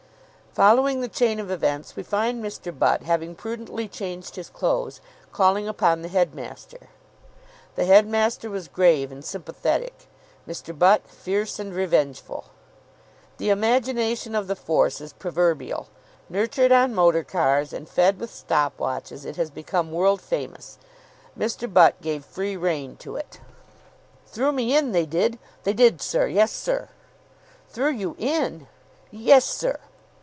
Following the chain of events, we find Mr. Butt, having prudently changed his clothes, calling upon the headmaster. The headmaster was grave and sympathetic; Mr. Butt fierce and revengeful. The imagination of the force is proverbial. Nurtured on motor cars and fed with stop watches, it has become world famous. Mr. Butt gave free rein to it. "Threw me in, they did, sir. Yes, sir." "Threw you in!" "Yes, sir.